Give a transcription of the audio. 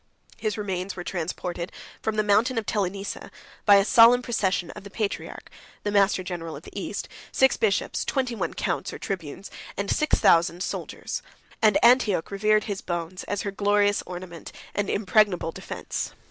His remains were transported from the mountain of Telenissa, by a solemn procession of the patriarch, the master general of the East, six bishops, twenty one counts or tribunes, and six thousand soldiers; and Antioch revered his bones, as her glorious ornament and impregnable defence.